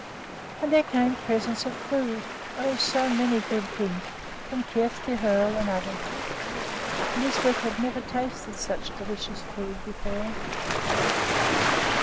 And there came presents of food oh! so many good things from Kjersti Hoel and others. Lisbeth had never tasted such delicious food before.